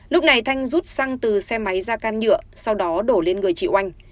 lúc này thanh rút xăng từ xe máy ra can nhựa sau đó đổ lên người chị oanh